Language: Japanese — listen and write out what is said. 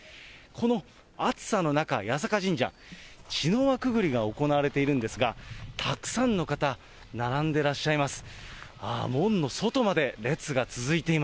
この暑さの中、八坂神社、ちのわくぐりが行われているんですが、たくさんの方、並んでらっしゃいます。